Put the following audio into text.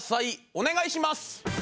お願いします！